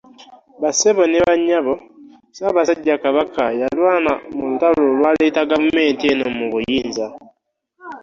Bassebo ne bannyabo, Ssaabasajja Kabaka yalwana mu lutalo olwaleeta gavumenti eno mu buyinza